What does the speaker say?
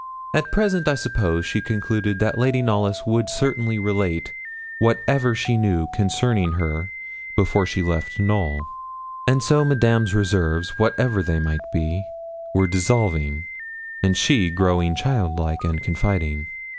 At present I suppose she concluded that Lady Knollys would certainly relate whatever she knew concerning her before she left Knowl; and so Madame's reserves, whatever they might be, were dissolving, and she growing childlike and confiding.